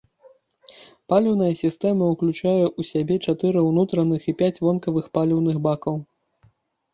Паліўная сістэма ўключае ў сябе чатыры ўнутраных і пяць вонкавых паліўных бакаў.